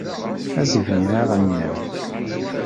Asegmi aɣelnaw.